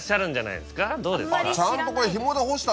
どうですか？